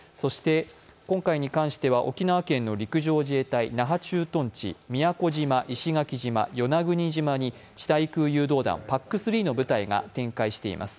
今回に関しては沖縄県の陸上自衛隊、那覇駐屯地、宮古島、石垣島、与那国島に地対空誘導弾ＰＡＣ３の部隊がいます。